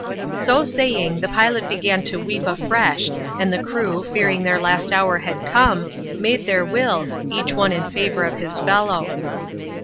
So saying, the pilot began to weep afresh, and the crew, fearing their last hour had come, made their wills, each one in favour of his fellow.